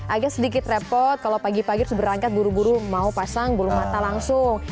agak sedikit repot kalau pagi pagi berangkat buru buru mau pasang bulu mata langsung